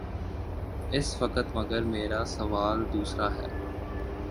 اس وقت مگر میرا سوال دوسرا ہے۔